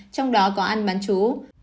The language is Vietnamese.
trong đó có ăn bán chú